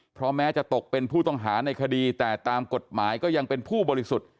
เพราะแม้จะตกเป็นผู้ต้องหาในคดีแต่ตามกฎหมายก็ยังเป็นผู้บริสุทธิ์